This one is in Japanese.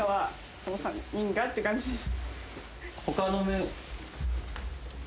その３人がって感じです。